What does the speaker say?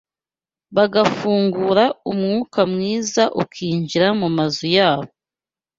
bagafungura umwuka mwiza ukinjira mu mazu yabo